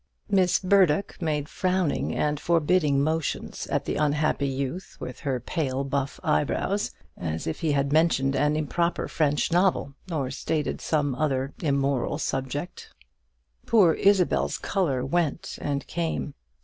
Miss Burdock made frowning and forbidding motions at the unhappy youth with her pale buff eyebrows, as if he had mentioned an improper French novel, or started some other immoral subject. Poor Isabel's colour went and came.